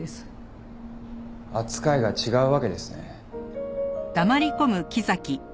扱いが違うわけですね。